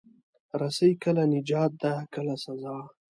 رسۍ کله نجات ده، کله سزا.